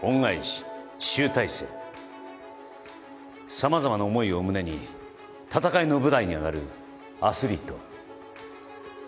様々な思いを胸に戦いの舞台に上がるアスリート